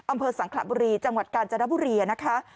อำเภอสังขระบุรีจังหวัดกาญจนบุรีนะคะ